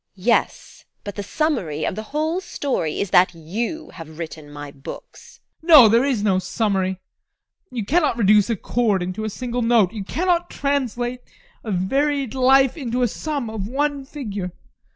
Yes, but the summary of the whole story is that you have written my books. ADOLPH. No, there is no summary. You cannot reduce a chord into a single note. You cannot translate a varied life into a sum of one figure.